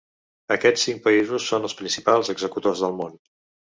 Aquests cinc països són els principals executors del món.